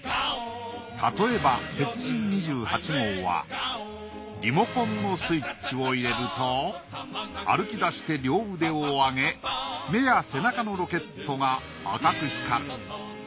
例えば鉄人２８号はリモコンのスイッチを入れると歩き出して両腕をあげ目や背中のロケットが赤く光る。